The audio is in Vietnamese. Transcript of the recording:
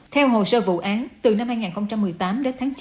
theo hồ sơ vụ án từ năm hai nghìn một mươi tám đến tháng chín